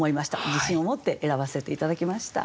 自信を持って選ばせて頂きました。